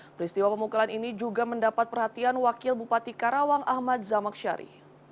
peristiwa pemukulan ini juga mendapat perhatian wakil bupati karawang ahmad zamaksyari